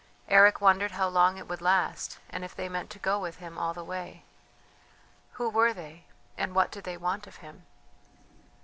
Eric wondered how long it would last, and if they meant to go with him all the way. Who were they? And what did they want of him?